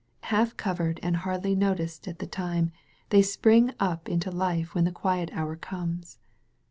Half covered and hardly noticed at the time, they spring up into life when the quiet hour comes.